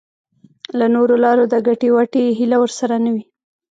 له نورو لارو د ګټې وټې هیله ورسره نه وي.